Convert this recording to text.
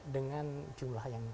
dengan jumlah yang